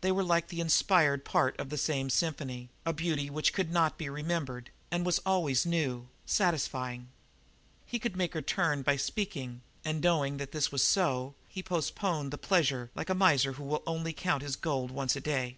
They were like the inspired part of that same symphony, a beauty which could not be remembered and was always new, satisfying. He could make her turn by speaking, and knowing that this was so, he postponed the pleasure like a miser who will only count his gold once a day.